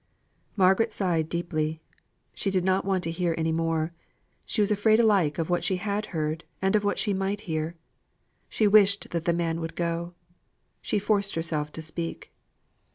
Margaret sighed deeply. She did not want to hear any more; she was afraid alike of what she had heard, and of what she might hear. She wished that the man would go. She forced herself to speak.